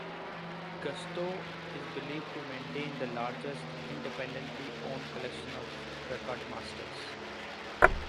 Gusto is believed to maintain the largest, independently-owned collection of record masters.